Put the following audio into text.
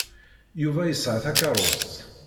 Yuba yesɛa takeṛṛust.